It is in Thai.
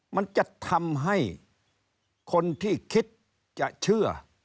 มันจะทำให้คนที่คิดจะเชื่อ